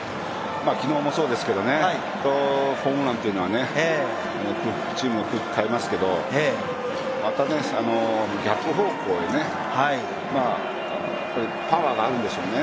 昨日もそうですけど、ホームランというのはチームの空気を変えますけど、また逆方向へパワーがあるんでしょうね。